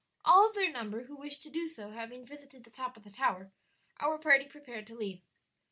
All of their number who wished to do so having visited the top of the tower, our party prepared to leave.